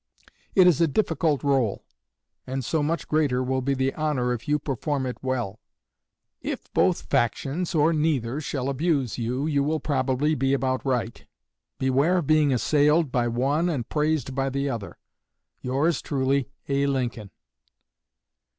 It is a difficult rôle, and so much greater will be the honor if you perform it well. If both factions, or neither, shall abuse you, you will probably be about right. Beware of being assailed by one and praised by the other. Yours truly, A. LINCOLN.